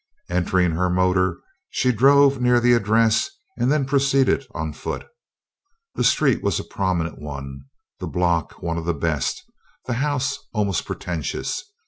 Entering her motor, she drove near the address and then proceeded on foot. The street was a prominent one, the block one of the best, the house almost pretentious.